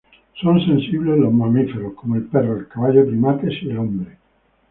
Son sensibles los mamíferos como el perro, el caballo, primates y el hombre.